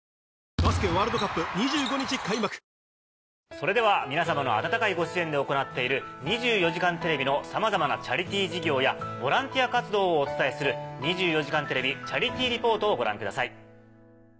それでは皆さまの温かいご支援で行っている『２４時間テレビ』のさまざまなチャリティー事業やボランティア活動をお伝えする。をご覧ください。